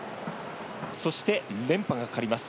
そして、連覇がかかります。